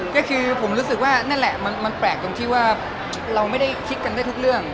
ก็คือผมรู้สึกว่านั่นแหละมันแปลกตรงที่ว่าเราไม่ได้คิดกันได้ทุกเรื่อง